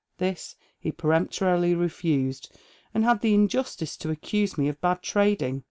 This he peremptorily refused, and had the injustice to accuse me of bad trading.